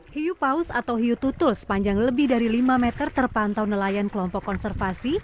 hiu paus atau hiu tutul sepanjang lebih dari lima meter terpantau nelayan kelompok konservasi